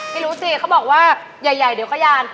ไม่รู้สิเขาบอกว่าใหญ่เดี๋ยวขยาน